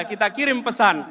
kita kirim pesan